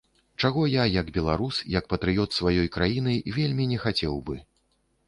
Чаго я як беларус, як патрыёт сваёй краіны вельмі не хацеў бы.